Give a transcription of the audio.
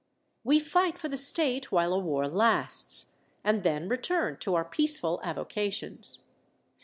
We fight for the state while a war lasts, and then return to our peaceful avocations.